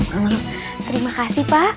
terima kasih pak